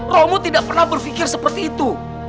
romo tidak pernah berpikir seperti itu